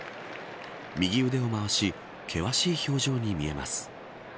右腕を回し険しい表情に見えます。